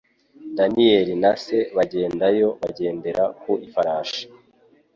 Daniel na se bagendayo bagendera ku ifarashi.